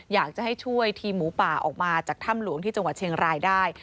อยากจะให้ช่วยทีมหมูป่าออกมาจากถ้ำหลวงที่จังหวัดเชียงรายได้